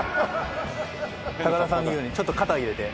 高田さんの言うようにちょっと肩を入れて。